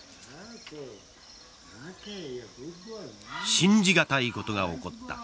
信じがたいことが起こった。